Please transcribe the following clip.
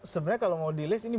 sebenarnya kalau mau di list ini